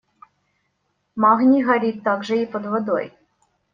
Магний горит также и под водой.